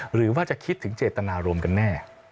หรือว่าจะคิดถึงเจตนารมณ์กันแน่